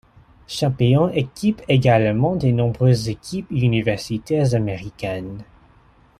Champion équipe également de nombreuses équipes universitaires américaines.